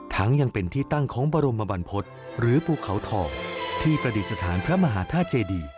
ยังเป็นที่ตั้งของบรมบรรพฤษหรือภูเขาทองที่ประดิษฐานพระมหาธาตุเจดี